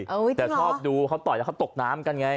แต่ชอบดูเขาต่อยแล้วเขาตกน้ำกันไง